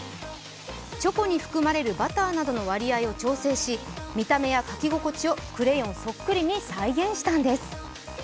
チョコに含まれるバターなどの割合を調整し見た目や書き心地をクレヨンそっくりに再現したんです。